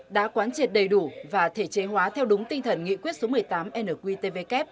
đã quán triệt đầy đủ và thể chế hóa theo đúng tinh thần nghị quyết số một mươi tám nqtvk